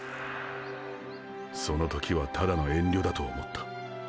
その時はただの「遠慮」だと思った。